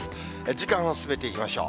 時間を進めていきましょう。